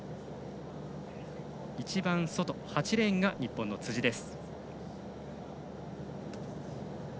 一番外、８レーンが日本の辻です。